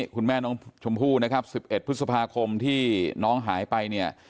คุณแม่น้องชมพู่นะครับ๑๑พฤษภาคมที่น้องหายไปเนี่ย